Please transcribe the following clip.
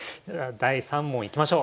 第３問いきましょう。